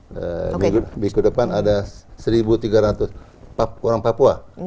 di ke depan ada seribu tiga ratus orang papua